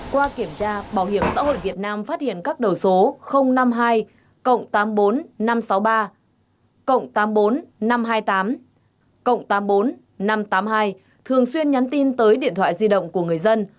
qua kiểm tra bảo hiểm xã hội việt nam phát hiện các đầu số năm mươi hai tám mươi bốn năm trăm sáu mươi ba tám mươi bốn năm trăm hai mươi tám năm trăm tám mươi hai thường xuyên nhắn tin tới điện thoại di động của người dân